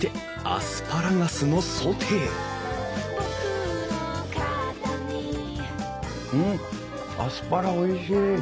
アスパラおいしい！